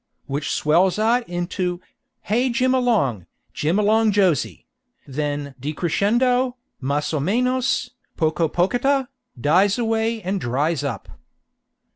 Which swells out into "Hey Jim along, Jim along Josey," then decrescendo, mas o menos, poco pocita, dies away and dries up.